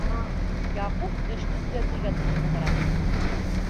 Яҡуп эште төҙәтергә тырышып ҡараны: